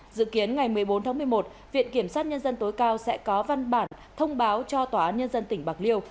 dự kiến ngày một mươi bốn tháng một mươi một viện kiểm sát nhân dân tối cao sẽ có văn bản thông báo cho tòa án nhân dân tỉnh bạc liêu